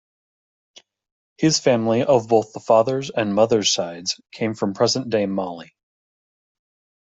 His family of both the father's and mother's sides came from present day Mali.